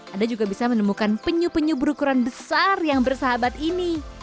anda juga bisa menemukan penyu penyu berukuran besar yang bersahabat ini